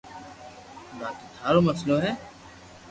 باقي ٿارو مسلئ ھي